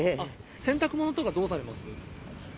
洗濯物とかどうされます？